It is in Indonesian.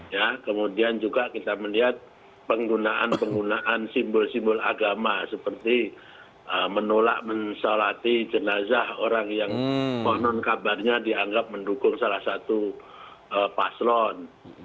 ya kemudian juga kita melihat penggunaan penggunaan simbol simbol agama seperti menolak mensolati jenazah orang yang konon kabarnya dianggap mendukung salah satu paslon